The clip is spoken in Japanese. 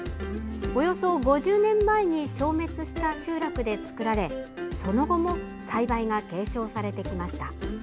およそ５０年前に消滅した集落で作られその後も栽培が継承されてきました。